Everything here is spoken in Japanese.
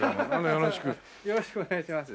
よろしくお願いします。